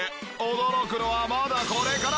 驚くのはまだこれから。